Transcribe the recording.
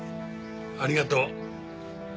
ありがとう。